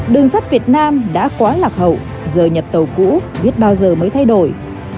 đường sắt việt nam đã quá lạc hậu giờ nhập tàu cũ biết bao giờ mới thay đổi